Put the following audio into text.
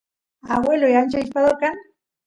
agueloy ancha ishpador kan